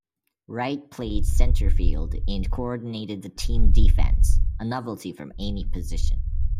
Wright played center field and coordinated the team defense, a novelty from any position.